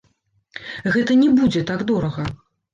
Гэта не будзе так дорага.